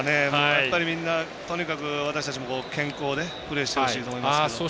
やっぱり、みんなとにかく私たちも健康でプレーしてほしいと思いますよね。